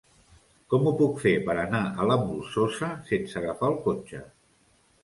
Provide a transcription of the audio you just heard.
Com ho puc fer per anar a la Molsosa sense agafar el cotxe?